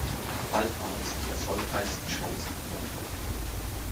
Bald waren sie die erfolgreichsten Shows am Broadway.